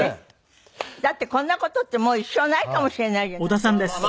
だってこんな事ってもう一生ないかもしれないじゃないですか。